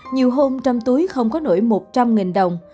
nhiều hôm trong túi không có nổi một trăm linh đồng